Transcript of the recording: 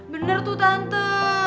bener tuh tante